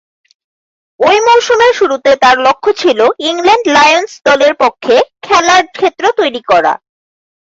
ঐ মৌসুমের শুরুতে তার লক্ষ্য ছিল ইংল্যান্ড লায়ন্স দলের পক্ষে খেলার ক্ষেত্র তৈরী করা।